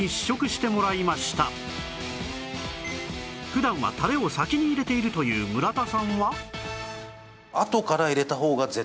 普段はタレを先に入れているという村田さんは